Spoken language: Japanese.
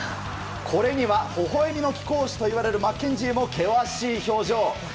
これには、ほほ笑みの貴公子といわれるマッケンジーも険しい表情。